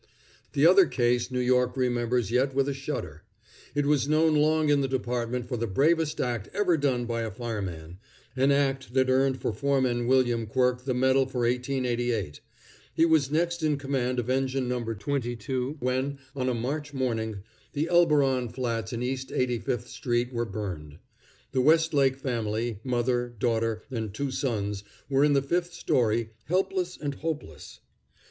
The other case New York remembers yet with a shudder. It was known long in the department for the bravest act ever done by a fireman an act that earned for Foreman William Quirk the medal for 1888. He was next in command of Engine No. 22 when, on a March morning, the Elberon Flats in East Eighty fifth street were burned. The Westlake family, mother, daughter, and two sons, were in the fifth story, helpless and hopeless.